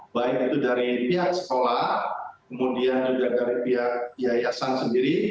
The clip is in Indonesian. baik itu dari pihak sekolah kemudian juga dari pihak yayasan sendiri